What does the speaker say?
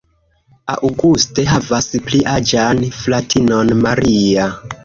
Auguste havas pli aĝan fratinon, Maria.